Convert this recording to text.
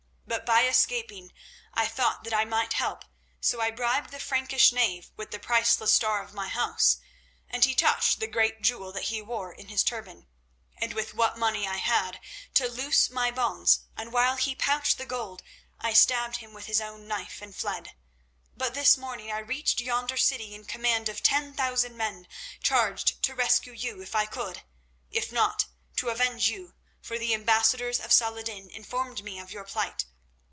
But by escaping I thought that I might help, so I bribed the Frankish knave with the priceless Star of my House," and he touched the great jewel that he wore in his turban, "and with what money I had, to loose my bonds, and while he pouched the gold I stabbed him with his own knife and fled. But this morning I reached yonder city in command of ten thousand men, charged to rescue you if I could; if not, to avenge you, for the ambassadors of Salah ed din informed me of your plight.